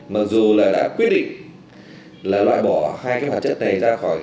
mặc dù là đã quyết định là loại bỏ hai cái hoạt chất này ra khỏi